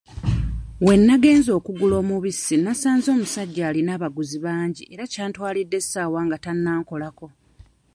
We nagenze okugula omubisi nasanze omusajja alina abaguzi bangi era kyantwalidde essaawa nga tannankolako.